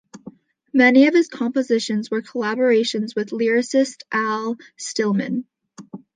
Many of his compositions were collaborations with lyricist Al Stillman.